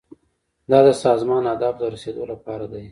دا د سازمان اهدافو ته د رسیدو لپاره دی.